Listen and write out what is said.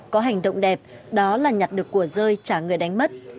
có hành động đẹp đó là nhặt được của rơi trả người đánh mất